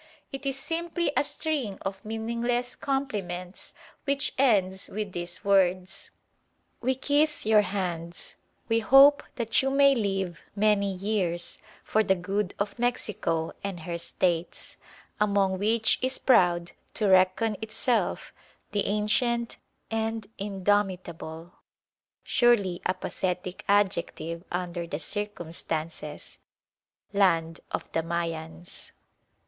It is simply a string of meaningless compliments which ends with these words: "We kiss your hands; we hope that you may live many years for the good of Mexico and her States, among which is proud to reckon itself the ancient and indomitable [surely a pathetic adjective under the circumstances] land of the Mayans."